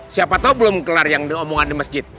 siapa tahu belum kelar yang omongan di masjid